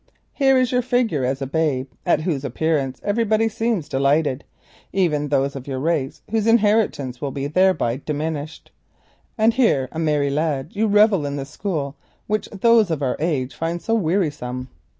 Here you figure as a babe, at whose appearance everybody seems delighted, even those of your race whose inheritance will be thereby diminished—and here a merry lad you revel in the school which the youth of our age finds so wearisome.